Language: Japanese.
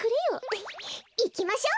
いきましょう。